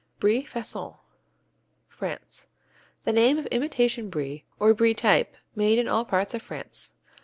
Brie Façon France The name of imitation Brie or Brie type made in all parts of France.